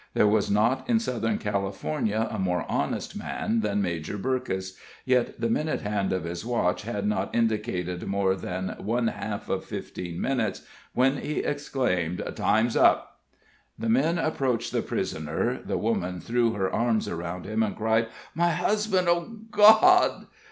There was not in Southern California a more honest man than Major Burkess; yet the minute hand of his watch had not indicated more than one half of fifteen minutes, when he exclaimed: "Time's up!" The men approached the prisoner the woman threw her arms around him, and cried: "My husband! Oh, God!"